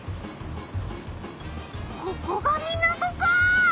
ここが港かあ！